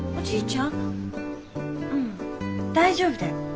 うん大丈夫だよ。